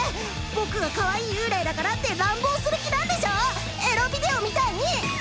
僕がかわいい幽霊だからって乱暴する気なんでしょエロビデオみたいに！